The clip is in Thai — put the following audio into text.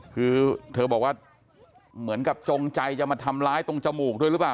คือเธอบอกว่าเหมือนกับจงใจจะมาทำร้ายตรงจมูกด้วยหรือเปล่า